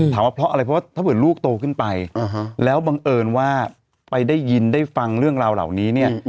ว่าเพราะอะไรเพราะว่าถ้าเผื่อลูกโตขึ้นไปแล้วบังเอิญว่าไปได้ยินได้ฟังเรื่องราวเหล่านี้เนี่ย